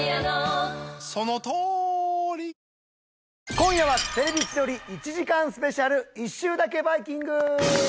今夜は『テレビ千鳥』１時間スペシャル一周だけバイキング！！